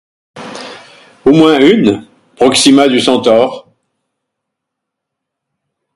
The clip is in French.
Au moins une : Proxima du Centaure.